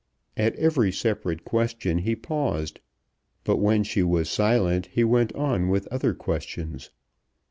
At every separate question he paused, but when she was silent he went on with other questions.